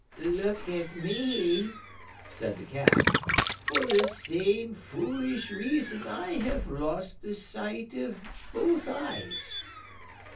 "Look at me," said the Cat. "For the same foolish reason, I have lost the sight of both eyes."